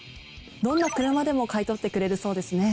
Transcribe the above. どんな車でも買い取ってくれるそうですね。